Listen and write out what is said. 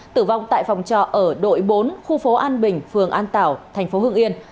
tử vong tại phòng trọ ở đội bốn khu phố an bình phường an tảo thành phố hưng yên